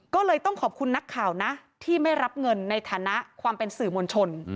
ก็เลยต้องขอบคุณนักข่าวนะที่ไม่รับเงินในฐานะความเป็นสื่อมวลชน